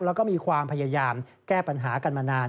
แล้วก็มีความพยายามแก้ปัญหากันมานาน